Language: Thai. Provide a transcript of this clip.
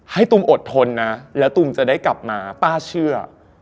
ตุมอดทนนะแล้วตุมจะได้กลับมาป้าเชื่อ